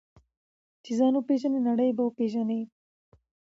چې ځان وپېژنې، نړۍ به وپېژنې.